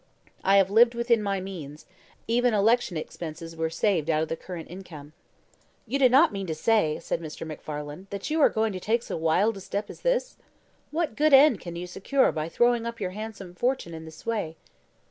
I have lived within my means; even my election expenses were saved out of the current income." "You do not mean to say," said Mr. MacFarlane, "that you are going to take so wild a step as this? What good end can you secure by throwing up your handsome fortune in this way?"